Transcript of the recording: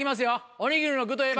おにぎりの具といえば？